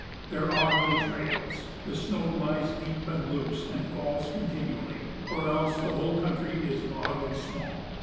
There are no trails; the snow lies deep and loose and falls continually, or else the whole country is bog and swamp.